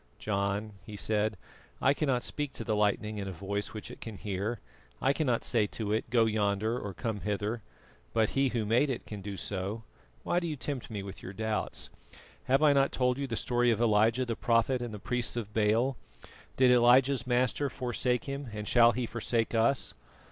"John," he said, "I cannot speak to the lightning in a voice which it can hear. I cannot say to it 'go yonder,' or 'come hither,' but He Who made it can do so. Why do you tempt me with your doubts? Have I not told you the story of Elijah the prophet and the priests of Baal? Did Elijah's Master forsake him, and shall He forsake us?